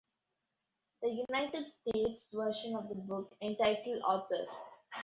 The United States version of the book, entitled Author!